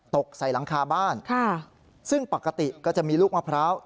ตกใส่หลังคาบ้านซึ่งปกติก็จะมีลูกมะพร้าว